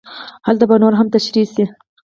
هلته به نور هم تشرېح شي.